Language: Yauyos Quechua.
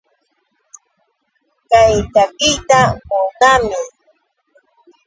Kay takiyta munaami.